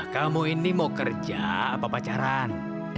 kamu ini mau kerja apa pacaran